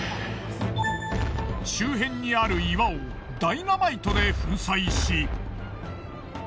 周辺にある岩をダイナマイトで粉砕し。